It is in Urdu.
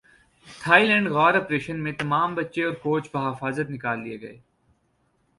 تھائی لینڈ غار اپریشن تمام بچے اور کوچ بحفاظت نکال لئے گئے